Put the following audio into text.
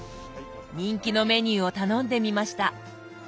人気のメニューを頼んでみました。